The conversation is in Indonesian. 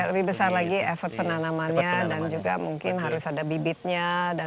lebih besar lagi efek penanamannya dan juga mungkin harus ada bibitnya